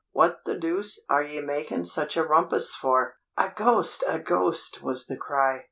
What the deuce are ye making such a rumpas for?" "A ghost! A ghost!" was the cry.